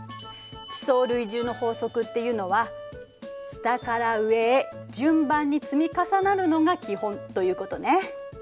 「地層累重の法則」っていうのは下から上へ順番に積み重なるのが基本ということね。